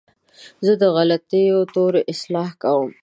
زه د غلطو تورو اصلاح کوم.